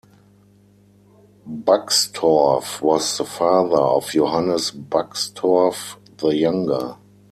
Buxtorf was the father of Johannes Buxtorf the Younger.